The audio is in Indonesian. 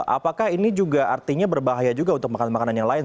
apakah ini juga artinya berbahaya juga untuk makanan makanan yang lain